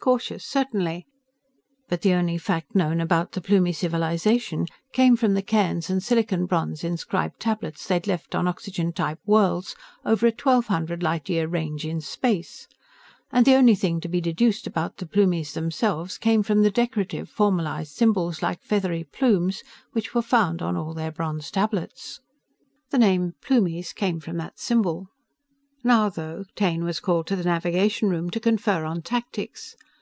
Cautious, certainly. But the only fact known about the Plumie civilization came from the cairns and silicon bronze inscribed tablets they'd left on oxygen type worlds over a twelve hundred light year range in space, and the only thing to be deduced about the Plumies themselves came from the decorative, formalized symbols like feathery plumes which were found on all their bronze tablets. The name "Plumies" came from that symbol. Now, though, Taine was called to the navigation room to confer on tactics.